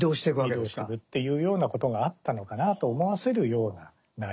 移動するっていうようなことがあったのかなと思わせるような内容ですね。